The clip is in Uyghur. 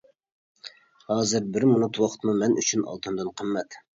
ھازىر بىر مىنۇت ۋاقىتمۇ مەن ئۈچۈن ئالتۇندىن قىممەت.